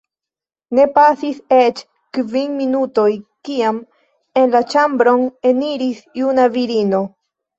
Ne pasis eĉ kvin minutoj, kiam en la ĉambron eniris juna virino.